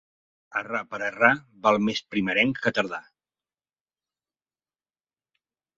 Errar per errar, val més primerenc que tardà.